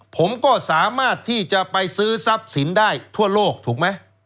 ผมก็สามารถที่จะไปซื้อทรัพย์สินได้ทั่วโลกถูกไหม